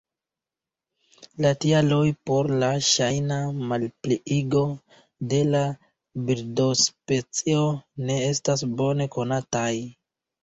La tialoj por la ŝajna malpliigo de la birdospecio ne estas bone konataj.